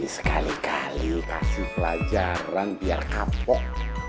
sekali kali kasih pelajaran biar kapok